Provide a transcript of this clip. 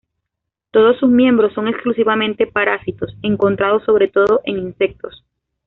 Todos sus miembros son exclusivamente parásitos, encontrados sobre todo en insectos.